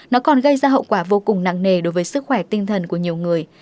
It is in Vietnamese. nó còn gây ra hậu quả vô cùng nặng nề đối với sức khỏe tinh thần của nhiều người